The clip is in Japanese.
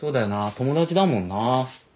友達だもんな。